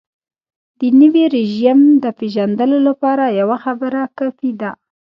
د نوي رژیم د پېژندلو لپاره یوه خبره کافي ده.